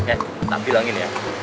eh tak bilangin ya